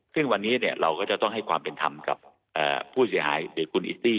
ซึ่งวันนี้เราก็จะต้องให้ความเป็นธรรมกับผู้เสียหายหรือคุณอิสตี้